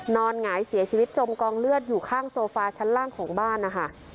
หงายเสียชีวิตจมกองเลือดอยู่ข้างโซฟาชั้นล่างของบ้านนะคะ